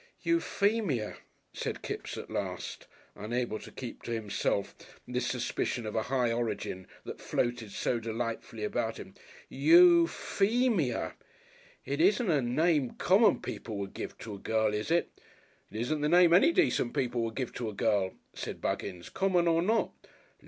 "Euphemia," said Kipps at last, unable altogether to keep to himself this suspicion of a high origin that floated so delightfully about him, "Eu phemia; it isn't a name common people would give to a girl, is it?" "It isn't the name any decent people would give to a girl," said Buggins, " common or not."